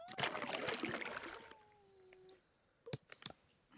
Absolvoval Filozofickou fakultu Západočeské univerzity v Plzni.